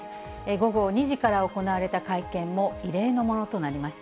午後２時から行われた会見も、異例のものとなりました。